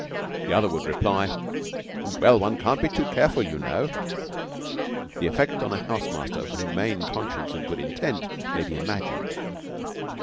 The other would reply, "Well, one can't be too careful, you know." The effect on a house master of humane conscience and good intent may be imagined.